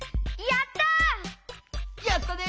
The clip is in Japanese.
やったね！